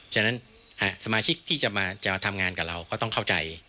ฉะนั้นสมาชิกที่จะมาทำงานกับเราก็ต้องเข้าใจ